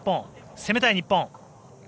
攻めたい日本。